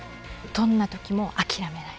どんな時も諦めない。